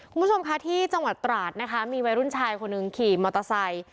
คุณผู้ชมค่ะที่จังหวัดตราดนะคะมีวัยรุ่นชายคนหนึ่งขี่มอเตอร์ไซค์